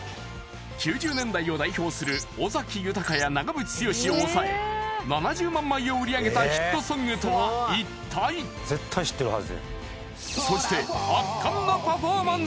９０年代を代表する尾崎豊や長渕剛を抑え７０万枚を売り上げたヒットソングとは一体そしてウオーイ！